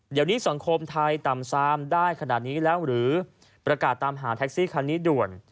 เดี๋ยวนี้สังคมไทยต่ำซามได้ขนาดนี้แล้วหรือประกาศตามหาแท็กซี่คันนี้ด่วน